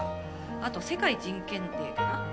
あと世界人権っていうかな。